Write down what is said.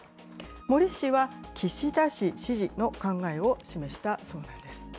森氏は岸田氏支持の考えを示したそうなんです。